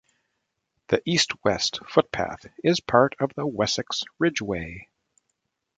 The east-west footpath is part of the Wessex Ridgeway.